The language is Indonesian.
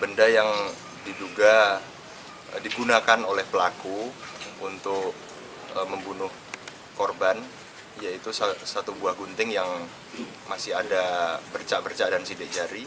benda yang diduga digunakan oleh pelaku untuk membunuh korban yaitu satu buah gunting yang masih ada bercak bercak dan sidik jari